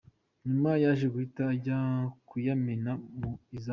Nyuma yaje guhita ajya kuyamena mu izamu.